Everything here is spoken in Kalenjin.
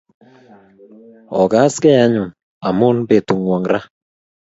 Ogaskei anyun amun petut ng'wong' ra.